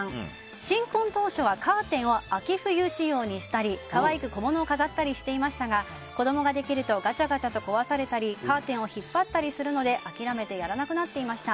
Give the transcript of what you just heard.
新婚当初はカーテンを秋冬仕様にしたり可愛く小物を飾ったりしていましたが子供ができるとガチャガチャと壊されたりカーテンを引っ張ったりするので諦めてやらなくなっていました。